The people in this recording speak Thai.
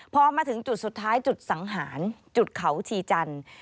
พอมาถึงจุดสุดท้ายจุดสังหารจุดเขาชีจันทร์